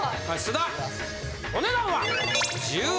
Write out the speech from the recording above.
お値段は？